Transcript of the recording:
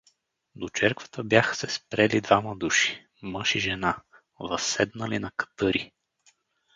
До черквата бяха се спрели двама души, мъж и жена, възседнали на катъри.